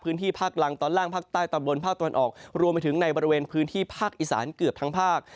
พื้นที่ภาคลังตอนล่างภาคใต้ตอนบนภาคตะวันออกรวมไปถึงในบริเวณพื้นที่ภาคอีสานเกือบทั้งภาค